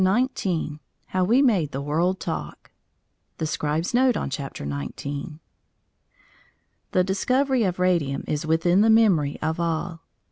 CHAPTER XIX HOW WE MADE THE WORLD TALK THE SCRIBE'S NOTE ON CHAPTER NINETEEN The discovery of radium is within the memory of all.